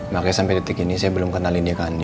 makanya sampai detik ini saya belum kenalin dia kan